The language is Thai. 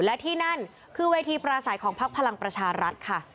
และที่นั่นคือเวทีปราศัยของพักพลังประชารัฐค่ะ